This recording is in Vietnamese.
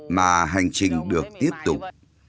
mà hành trình được tiếp tục